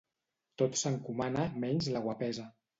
Tot s'encomana menys la guapesa.